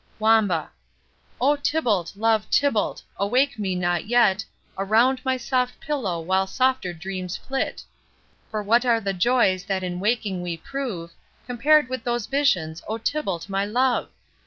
Wamba. O Tybalt, love, Tybalt, awake me not yet, Around my soft pillow while softer dreams flit, For what are the joys that in waking we prove, Compared with these visions, O, Tybalt, my love?